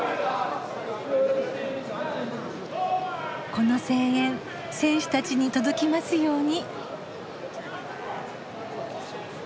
この声援選手たちに届きますように。